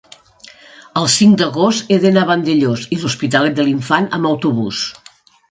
el cinc d'agost he d'anar a Vandellòs i l'Hospitalet de l'Infant amb autobús.